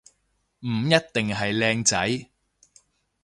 唔一定係靚仔